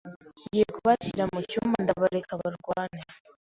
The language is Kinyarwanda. Ngiye kubashyira mucyumba ndabareke barwane.